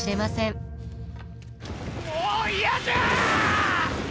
もう嫌じゃあ！